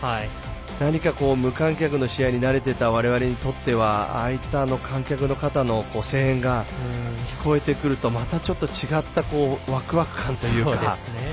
何か無観客の試合に慣れていたわれわれにとってはああいった観客の方の声援が聞こえてくるとまたちょっと違ったワクワク感というか。